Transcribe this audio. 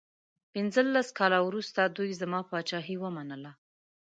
پنځلس کاله وروسته دوی زما پاچهي ومنله.